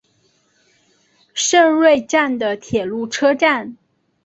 胜瑞站的铁路车站。